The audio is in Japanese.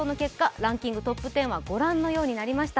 ランキングトップ１０は、ご覧のようになりました。